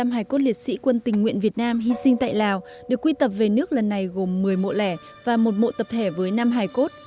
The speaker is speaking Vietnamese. một mươi hải cốt liệt sĩ quân tình nguyện việt nam hy sinh tại lào được quy tập về nước lần này gồm một mươi mộ lẻ và một mộ tập thể với năm hải cốt